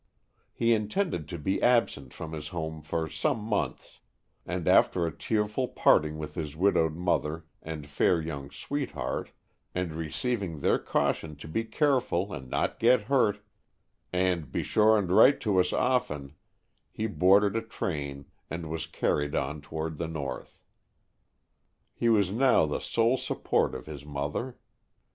He in tended to be absent from his home for some months, and after a tearful part ing with his widowed mother and fair young sweetheart and receiving their caution to be careful and not get hurt, and "be sure and write to us often," he boarded a train and was carried on to 106 Stories from the Adirondacfcs. ward the north. He was now the sole support of his mother.